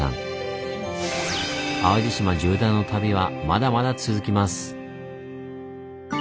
淡路島縦断の旅はまだまだ続きます。